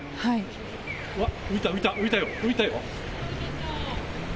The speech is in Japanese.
うわ、浮いた浮いた浮いたよ。